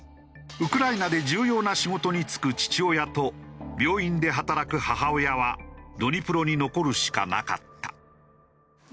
ウクライナで重要な仕事に就く父親と病院で働く母親はドニプロに残るしかなかった。